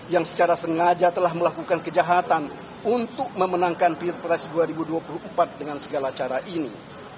yang secara sengaja telah melakukan kejahatan untuk memenangkan pilpres dua ribu dua puluh empat dengan segala cara ini